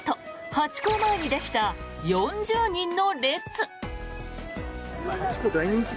ハチ公前にできた４０人の列。